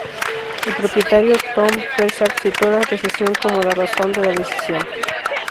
El propietario Tom Kershaw citó la recesión como la razón de la decisión.